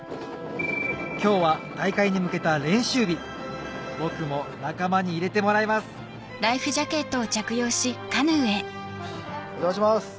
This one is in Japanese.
今日は大会に向けた練習日僕も仲間に入れてもらいますお邪魔します！